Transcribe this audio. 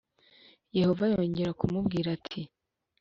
Yehova yongera kumbwira ati ‘